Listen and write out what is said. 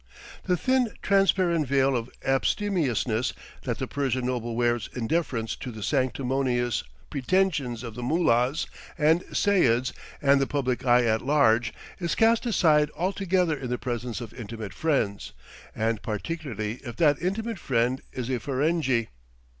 The thin, transparent veil of abstemiousness that the Persian noble wears in deference to the sanctimonious pretensions of the mollahs and seyuds and the public eye at large, is cast aside altogether in the presence of intimate friends, and particularly if that intimate friend is a Ferenghi.